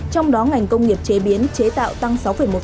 trong đó ngành công nghiệp chế biến chế tạo tăng sáu một